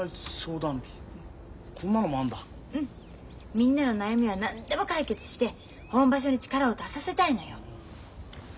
みんなの悩みは何でも解決して本場所に力を出させたいのよ。